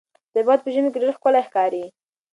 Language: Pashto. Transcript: طبیعت په ژمي کې ډېر ښکلی ښکاري.